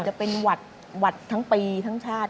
จะเป็นหวัดทั้งปีทั้งชาติ